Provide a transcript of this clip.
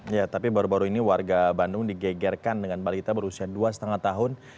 ya tapi baru baru ini warga bandung digegerkan dengan balita berusia dua lima tahun